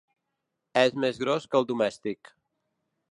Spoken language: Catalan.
És més gros que el domèstic.